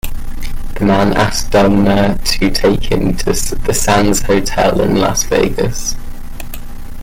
The man asked Dummar to take him to the Sands Hotel in Las Vegas.